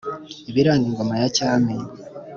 ibiranga ingoma ya cyami.